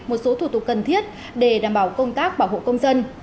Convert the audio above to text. một số thủ tục cần thiết để đảm bảo công tác bảo hộ công dân